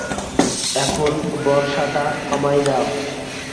এখন বর্শাটা আমায় দাও।